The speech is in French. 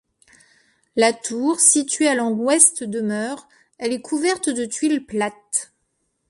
La tour située à l'angle ouest demeure; elle est couverte de tuiles plates.